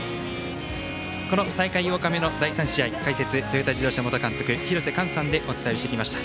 この大会８日目の第３試合解説はトヨタ自動車元監督の廣瀬寛さんでお伝えしてきました。